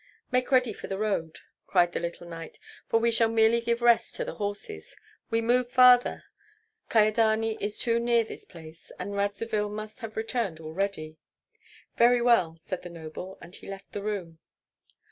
"Make ready for the road!" cried the little knight, "for we shall merely give rest to the horses. We move farther. Kyedani is too near this place, and Radzivill must have returned already." "Very well!" said the noble, and he left the room.